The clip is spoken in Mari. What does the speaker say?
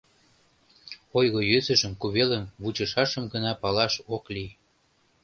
Ойго-йӧсыжым кувелым вучышашым гына палаш ок лий.